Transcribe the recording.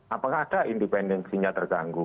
apakah ada independensinya terganggu